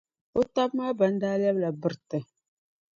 O taba maa ban daa lɛbila biriti.